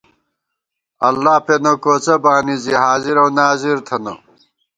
اللہ پېنہ کوڅہ بانی زی حاضر اؤ ناظر تھنہ